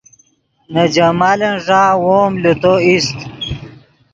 نے جمالن ݱا وو ام لے تو ایست